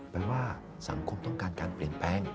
แปลว่าสังคมต้องการการเปลี่ยนแปลง